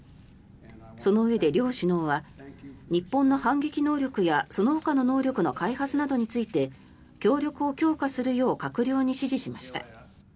そのうえで、両首脳は日本の反撃能力やそのほかの能力の開発などについて協力を強化するよう閣僚に指示しました。